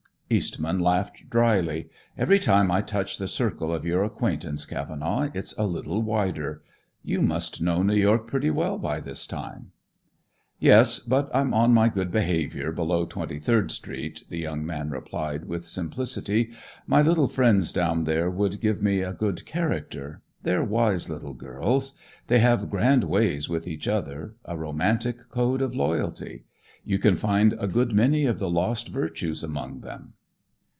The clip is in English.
Eastman laughed drily. "Every time I touch the circle of your acquaintance, Cavenaugh, it's a little wider. You must know New York pretty well by this time." "Yes, but I'm on my good behavior below Twenty third Street," the young man replied with simplicity. "My little friends down there would give me a good character. They're wise little girls. They have grand ways with each other, a romantic code of loyalty. You can find a good many of the lost virtues among them."